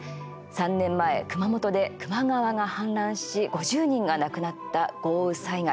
３年前、熊本で球磨川が氾濫し５０人が亡くなった豪雨災害。